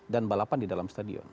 dan balapan di dalam stadion